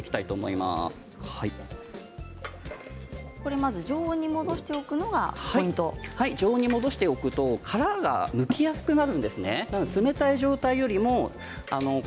まず常温に戻しておくのが常温に戻しておくと殻がむきやすくなるんです冷たい状態よりも。